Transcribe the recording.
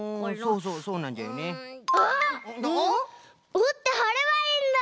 おってはればいいんだ！